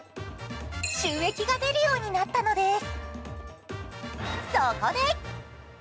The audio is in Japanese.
収益が出るようになったのです。